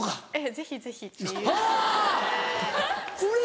ぜひぜひっていう。